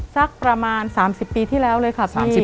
สักประมาณ๓๐ปีที่แล้วเลยค่ะ